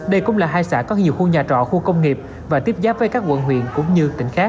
đây cũng là hai xã có nhiều khu nhà trọ khu công nghiệp và tiếp giáp với các quận huyện cũng như tỉnh khác